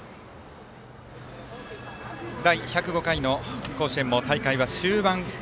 第１０５回の甲子園も大会は終盤。